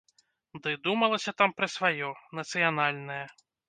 Дый думалася там пра сваё, нацыянальнае.